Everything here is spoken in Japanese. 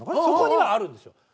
そこにはあるんですよ。